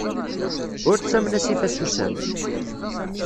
Ur ttamen asif asusam!